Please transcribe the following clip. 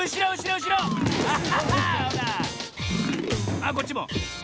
あっこっちも。